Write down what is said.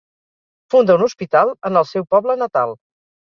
Funda un hospital en el seu poble natal.